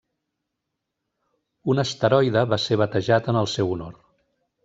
Un asteroide va ser batejat en el seu honor.